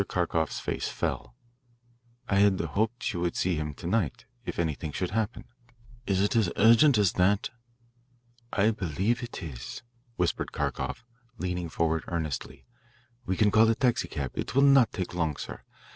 Kharkoff's face fell. "I had hoped you would see him to night. If anything should happen " "Is it as urgent as that?" "I believe it is," whispered Kharkoff, leaning forward earnestly. "We can call a taxicab it will not take long, sir.